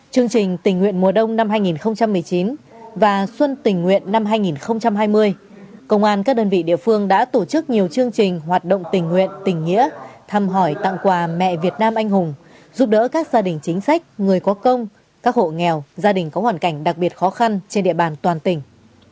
chương trình tình nguyện mùa đông năm hai nghìn một mươi chín và xuân tình nguyện năm hai nghìn hai mươi công an các đơn vị địa phương đã tổ chức nhiều chương trình hoạt động tình nguyện tình nghĩa thăm hỏi tặng quà mẹ việt nam anh hùng giúp đỡ các gia đình chính sách người có công các hộ nghèo gia đình có hoàn cảnh đặc biệt khó khăn trên địa bàn toàn tỉnh